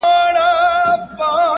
جهانی به له بهاره د سیلیو لښکر یوسي.!